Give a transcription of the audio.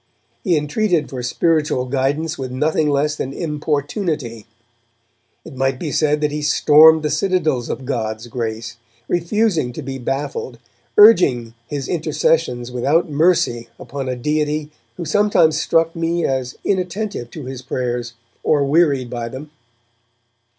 He entreated for spiritual guidance with nothing less than importunity. It might be said that he stormed the citadels of God's grace, refusing to be baffled, urging his intercessions without mercy upon a Deity who sometimes struck me as inattentive to his prayers or wearied by them.